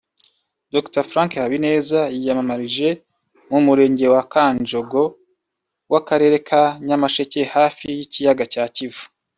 Dr Frank Habineza yiyamamarije mu murenge wa Kanjongo w’ akarere ka Nyamasheke hafi y’ ikiyaga cya Kivu